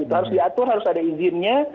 itu harus diatur harus ada izinnya